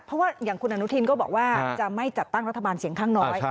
เพราะว่าอย่างคุณอนุทินก็บอกว่าจะไม่จัดตั้งรัฐบาลเสียงข้างน้อย